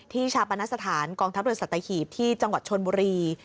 ชาปนสถานกองทัพเรือสัตหีบที่จังหวัดชนบุรี